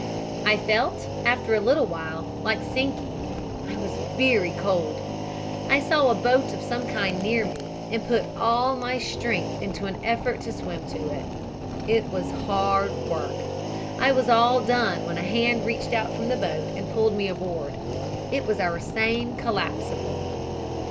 "I felt, after a little while, like sinking. I was very cold. I saw a boat of some kind near me and put all my strength into an effort to swim to it. It was hard work. I was all done when a hand reached out from the boat and pulled me aboard. It was our same collapsible.